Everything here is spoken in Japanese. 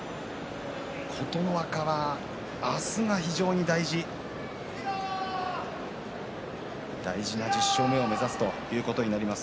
琴ノ若は明日が非常に大事な１０勝目を目指すということになります。